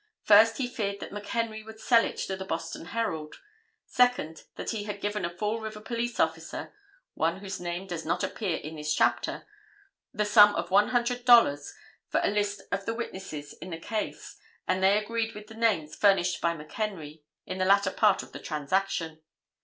First, he feared that McHenry would sell it to the Boston Herald. Second, that he had given a Fall River police officer (one whose name does not appear in this chapter,) the sum of $100 for a list of the witnesses in the case and they agreed with the names furnished by McHenry in the latter part of the transaction.